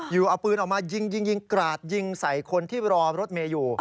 อยู่เอาปืนออกมายิงยิงกราดยิงใส่คนที่รอรถเมย์อยู่